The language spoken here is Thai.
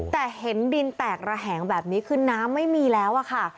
แต่เห็นดินแตกระแหงแบบนี้คือน้ำไม่มีแล้วอะค่ะ